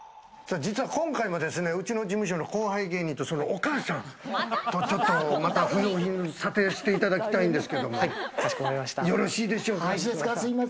実は今回もですね、うちの事務所の後輩芸人とそのお母さん、また不用品を査定していただきたいんですけれども、よろしいでしょうか？